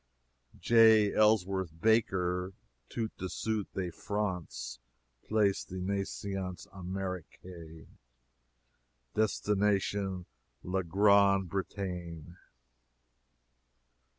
"J. Ellsworth Baker, tout de suite de France, place de naissance Amerique, destination la Grand Bretagne."